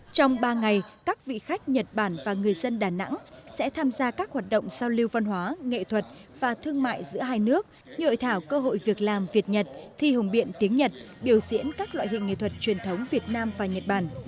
trong ba ngày các vị khách nhật bản và người dân đà nẵng sẽ tham gia các hoạt động giao lưu văn hóa nghệ thuật và thương mại giữa hai nước như hội thảo cơ hội việc làm việt nhật thi hùng biện tiếng nhật biểu diễn các loại hình nghệ thuật truyền thống việt nam và nhật bản